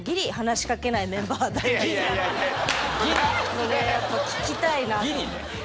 これやっぱ聞きたいなと。